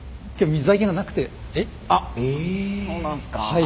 はい。